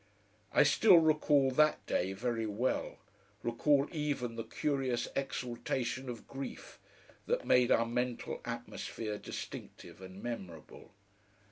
I still recall that day very well, recall even the curious exaltation of grief that made our mental atmosphere distinctive and memorable.